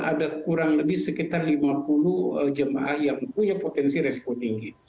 ada kurang lebih sekitar lima puluh jemaah yang punya potensi resiko tinggi